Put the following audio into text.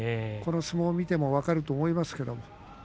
この相撲を見ても分かると思いますが。